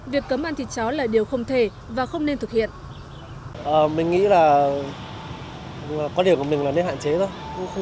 việc cấm ăn thịt chó là điều không thể và không nên thực hiện